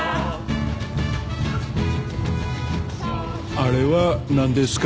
あれは何ですか？